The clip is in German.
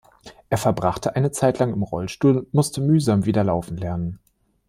Er verbrachte eine Zeitlang im Rollstuhl und musste mühsam wieder laufen lernen.